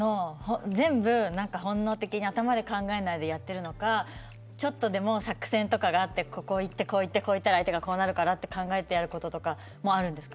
全部、本能的に頭で考えないでやっているのかちょっとでも作戦があってこういって、こういったら相手がこうくるからとか考えてやることとかもあるんですか。